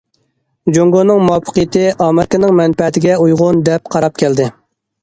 جۇڭگونىڭ مۇۋەپپەقىيىتى ئامېرىكىنىڭ مەنپەئەتىگە ئۇيغۇن، دەپ قاراپ كەلدى.